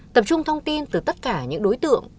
tập trung thông tin từ tất cả những đối tượng